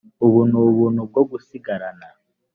ubu n ubu bwo gusigarana